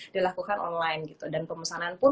dilakukan online gitu dan pemesanan pun